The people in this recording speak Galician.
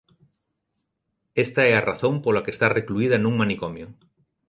Esta é a razón pola que está recluída nun manicomio.